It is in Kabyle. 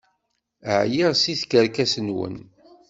Ɛyiɣ seg tkerkas-nwen!